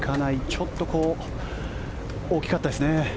ちょっと大きかったですね。